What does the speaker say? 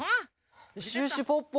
シュッシュポッポ！